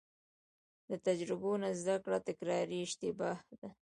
له تجربو نه زده کړه تکراري اشتباه ده.